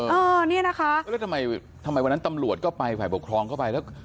เออเนี่ยนะคะแล้วทำไมทำไมวันนั้นตำรวจก็ไปฝ่ายปกครองเข้าไปแล้ว